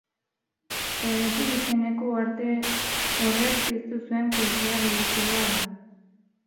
Perrexil izeneko uharte horrek piztu zuen krisia ridikulua da.